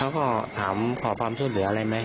แล้วก็ถามขอความช่วยเหลืออะไรไหม